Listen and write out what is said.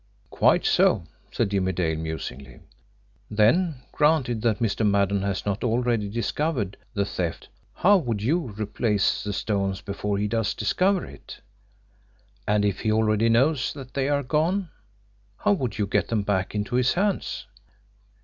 "Quite so," said Jimmie Dale musingly. "Then, granted that Mr. Maddon has not already discovered the theft, how would you replace the stones before he does discover it? And if he already knows that they are gone, how would you get them back into his hands?"